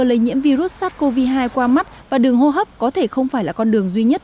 lây nhiễm virus sars cov hai qua mắt và đường hô hấp có thể không phải là con đường duy nhất